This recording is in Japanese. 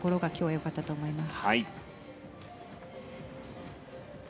よかったと思います。